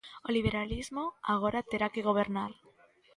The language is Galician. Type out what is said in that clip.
O liberalismo agora terá que gobernar.